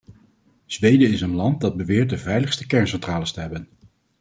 Zweden is een land dat beweert de veiligste kerncentrales te hebben.